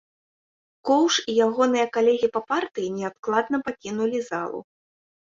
Коўш і ягоныя калегі па партыі неадкладна пакінулі залу.